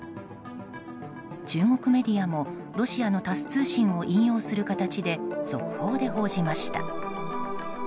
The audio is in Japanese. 中国メディアもロシアのタス通信を引用する形で速報で報じました。